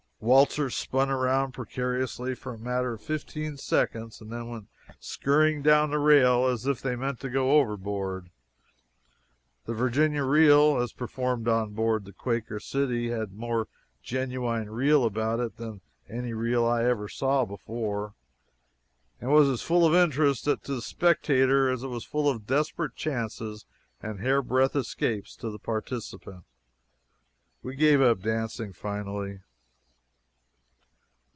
Waltzers spun around precariously for a matter of fifteen seconds and then went scurrying down to the rail as if they meant to go overboard. The Virginia reel, as performed on board the __Quaker City__, had more genuine reel about it than any reel I ever saw before, and was as full of interest to the spectator as it was full of desperate chances and hairbreadth escapes to the participant. We gave up dancing, finally.